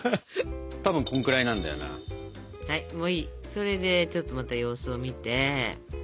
それでちょっとまた様子を見て。